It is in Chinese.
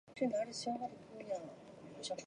漏芦为菊科漏芦属下的一个种。